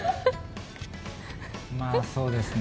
まあそうですね